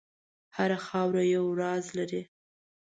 هره خاوره یو راز لري.